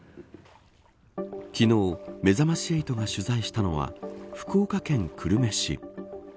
昨日めざまし８が取材したのは福岡県久留米市。